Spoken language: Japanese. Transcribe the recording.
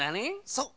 そう！